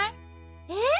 えっ？